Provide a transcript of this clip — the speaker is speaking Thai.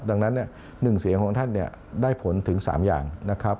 ดังนั้นเนี่ยหนึ่งเสียงของท่านเนี่ยได้ผลถึง๓อย่างนะครับ